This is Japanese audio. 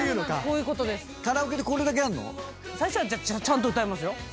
最初はちゃんと歌いますよ。